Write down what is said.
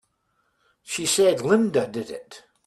She said Linda did it!